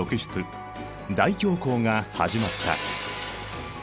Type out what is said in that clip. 大恐慌が始まった。